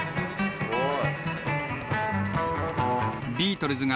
すごい。